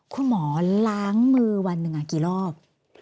คุณหมอล้างมือวันหนึ่งกี่รอบ